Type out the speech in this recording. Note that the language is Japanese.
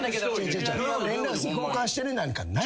連絡先交換してるなんかない。